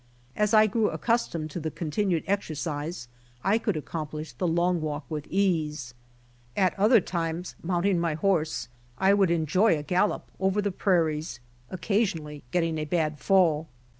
As I grew accustomed to the continued exercise, I could accomplish the long walk with ease. At other times, mounting my horse, I would enjoy a gallop over tha prairies, occasionally getting a bad fall.